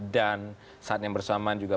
dan saat yang bersamaan juga